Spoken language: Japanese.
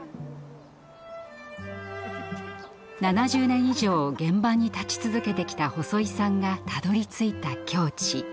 ７０年以上現場に立ち続けてきた細井さんがたどりついた境地。